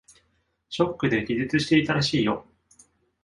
ショックで気絶していたらしいよ。